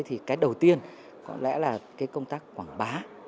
thì cái đầu tiên có lẽ là cái công tác quảng bá